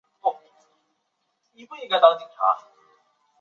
山香芹是伞形科岩风属的植物。